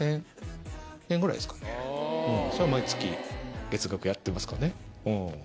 毎月月額やってますかね。